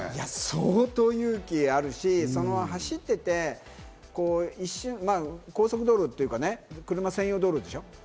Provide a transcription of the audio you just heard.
相当勇気あるし、走ってて一瞬、高速道路、車専用道路でしょ。